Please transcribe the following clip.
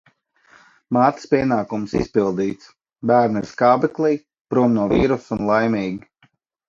Mātes pienākums izpildīts – bērni ir skābeklī, prom no vīrusa un laimīgi.